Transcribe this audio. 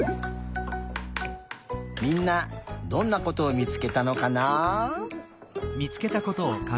みんなどんなことを見つけたのかな？